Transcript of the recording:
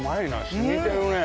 染みてるね。